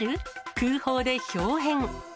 空砲でひょう変。